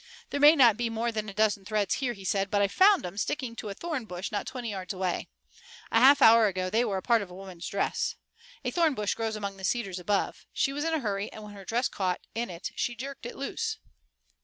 "There may not be more than a dozen threads here," he said, "but I found 'em sticking to a thorn bush not twenty yards away. A half hour ago they were a part of a woman's dress. A thorn bush grows among the cedars above. She was in a hurry, and when her dress caught in it she jerked it loose."